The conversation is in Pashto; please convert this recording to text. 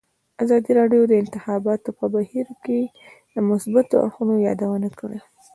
ازادي راډیو د د انتخاباتو بهیر د مثبتو اړخونو یادونه کړې.